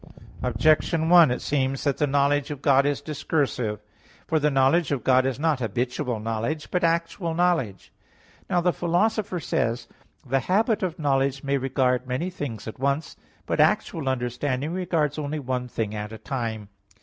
Objection 1: It seems that the knowledge of God is discursive. For the knowledge of God is not habitual knowledge, but actual knowledge. Now the Philosopher says (Topic. ii): "The habit of knowledge may regard many things at once; but actual understanding regards only one thing at a time."